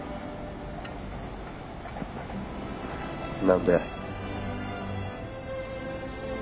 何で？